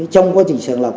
trong quá trình sàng lọc